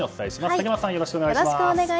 竹俣さん、よろしくお願いします。